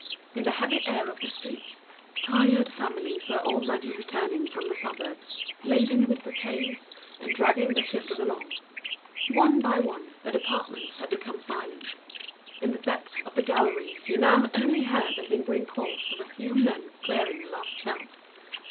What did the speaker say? In the heavy air of the streets, tired families were already returning from the suburbs, loaded with bouquets, dragging their children along. One by one, the departments had become silent. Nothing was now heard in the depths of the galleries but the lingering calls of a few men clearing a last shelf.